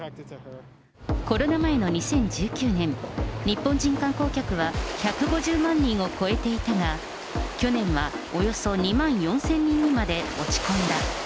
コロナ前の２０１９年、日本人観光客は１５０万人を超えていたが、去年はおよそ２万４０００人にまで落ち込んだ。